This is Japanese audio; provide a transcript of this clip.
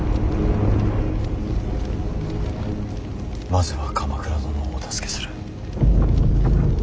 まずは鎌倉殿をお助けする。